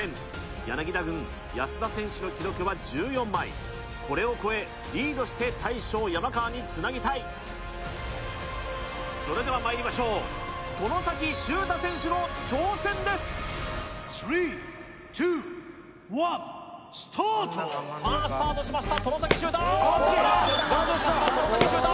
柳田軍安田選手の記録は１４枚これを超えリードして大将山川につなぎたいそれではまいりましょう外崎修汰選手の挑戦ですさあスタートしました外崎修汰外崎修汰